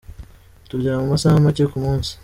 Turyama amasaha make kumunsi.